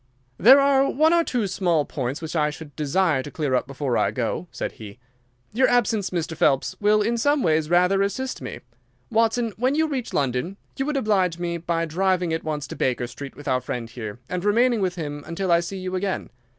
"There are one or two small points which I should desire to clear up before I go," said he. "Your absence, Mr. Phelps, will in some ways rather assist me. Watson, when you reach London you would oblige me by driving at once to Baker Street with our friend here, and remaining with him until I see you again.